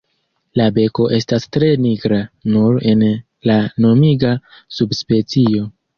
La beko estas tre nigra nur en la nomiga subspecio.